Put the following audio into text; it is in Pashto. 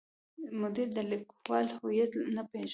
مدیر د لیکوال هویت نه پیژني.